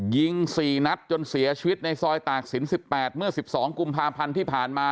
ยิง๔นัดจนเสียชีวิตในซอยตากศิลป๑๘เมื่อ๑๒กุมภาพันธ์ที่ผ่านมา